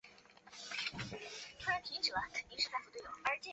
瓦尔泽亚阿莱格里是巴西塞阿拉州的一个市镇。